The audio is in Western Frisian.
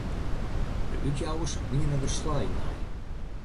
De útjouwers wiene der slij nei.